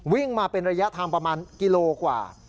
วิ่งมาเป็นระยะทางประมาณกิโลกว่า